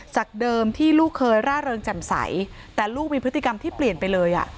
จากเดิมที่ลูกเคยร่าเริงแจ่มใสแต่ลูกมีพฤติกรรมที่เปลี่ยนไปเลย